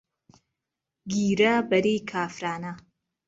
گیرا بەریکافرانه